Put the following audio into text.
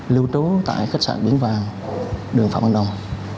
lưu trú tại khách sạn biển vàng đường phạm văn đồng